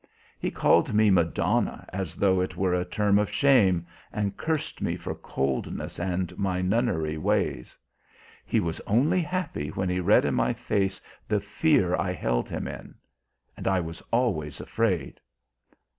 He called me Madonna, as though it were a term of shame, and cursed me for coldness and my nunnery ways. He was only happy when he read in my face the fear I held him in. And I was always afraid!"